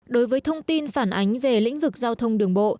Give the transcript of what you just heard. đối với thông tin phản ánh về lĩnh vực giao thông đường bộ